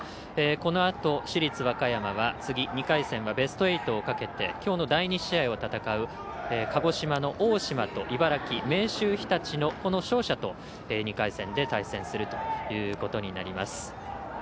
このあと市立和歌山は次、２回戦はベスト８をかけてきょうの第２試合を戦う鹿児島の大島と茨城、明秀日立のこの勝者と２回戦で対戦するということになります。